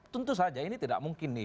tentu saja ini tidak mungkin nih